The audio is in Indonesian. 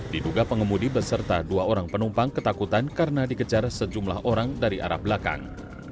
diduga pengemudi beserta dua orang penumpang ketakutan karena dikejar sejumlah orang dari arah belakang